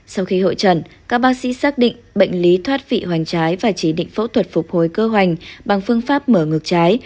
sau khi hội trần các bác sĩ xác định bệnh lý thoát vị hoành trái và chỉ định phẫu thuật phục hồi cơ hoành bằng phương pháp mở ngược trái